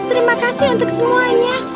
terima kasih untuk semuanya